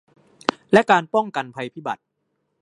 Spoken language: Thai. และการป้องกันภัยพิบัติ